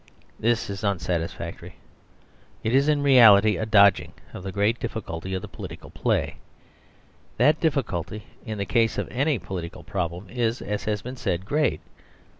This is unsatisfactory; it is in reality a dodging of the great difficulty of the political play. That difficulty, in the case of any political problem, is, as has been said, great.